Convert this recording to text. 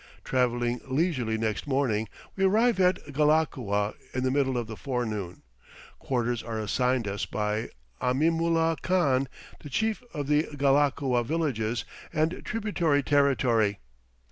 Travelling leisurely next morning, we arrive at Ghalakua in the middle of the forenoon; quarters are assigned us by Aminulah Khan, the Chief of the Ghalakua villages and tributary territory.